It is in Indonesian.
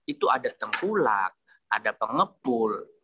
itu ada tengkulak ada pengepul